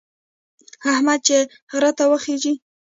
احمد چې غره ته وخېژي،